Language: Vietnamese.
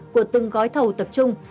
của từng gói thầu tập trung